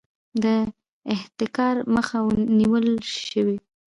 د احتکار مخه نیول شوې؟